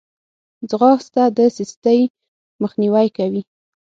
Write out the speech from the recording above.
ځغاسته د سستي مخنیوی کوي